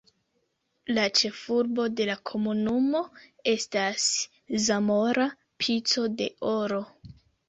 La ĉefurbo de la komunumo estas Zamora Pico de Oro.